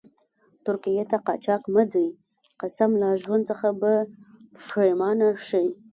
ترکيې ته قاچاق مه ځئ، قسم لا ژوند څخه به پیښمانه شئ.